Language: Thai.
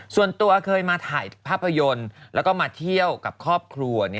ส่วนตัวเคยมาถ่ายภาพยนตร์แล้วก็มาเที่ยวกับครอบครัว